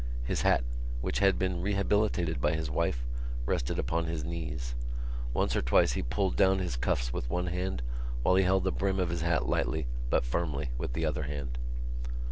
His hat, which had been rehabilitated by his wife, rested upon his knees. Once or twice he pulled down his cuffs with one hand while he held the brim of his hat lightly, but firmly, with the other hand.